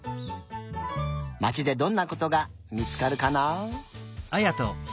まちでどんなことが見つかるかな？